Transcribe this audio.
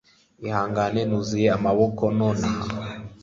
ihangane, nuzuye amaboko nonaha